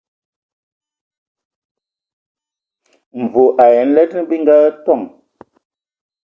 Mvɔ ai nlɛdɛn bi ngatoŋ.